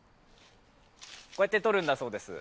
こうやってとるんだそうです。